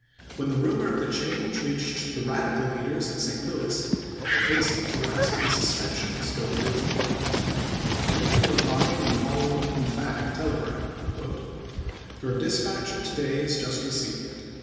When the rumor of the iMd.,p.277. change reached the Eadical leaders at St. Louis they hastened to ask the suspension of Schofield's appointment ; but Lincoln replied in the following emphatic telegram: "Your dispatch of to day is just received.